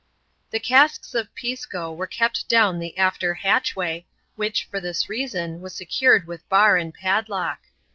The casks of Pisco were kept down the after hatchway, which, for this reason, was secured with bar and padlock.